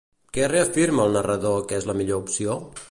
Què reafirma el narrador que és la millor opció?